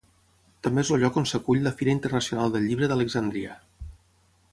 També és el lloc on s'acull la Fira Internacional del Llibre d'Alexandria.